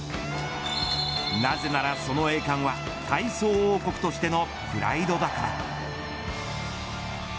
なぜなら、その栄冠は体操王国としてのプライドだから。